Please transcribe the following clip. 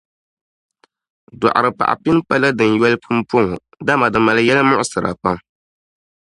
Dɔɣiripaɣ’ pini pa la din yoli pumpɔŋɔ, dama di mali yɛlmuɣsira pam.